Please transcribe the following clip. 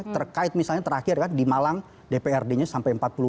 terkait misalnya terakhir kan di malang dprd nya sampai empat puluh lima